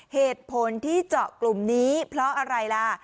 เหตุผลที่เจาะกลุ่มนี้เพราะอะไรล่ะ